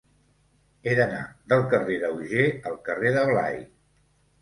He d'anar del carrer d'Auger al carrer de Blai.